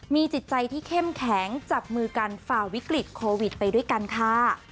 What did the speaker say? มีจิตใจที่เข้มแข็งจับมือกันฝ่าวิกฤตโควิดไปด้วยกันค่ะ